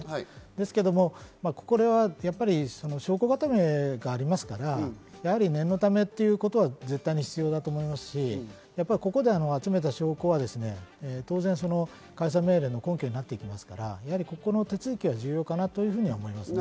ですが、これは証拠固めがありますから、念のためということは絶対に必要だと思いますし、ここで集めた証拠は当然、解散命令の根拠になってきますから、ここの手続きは重要かなと思います。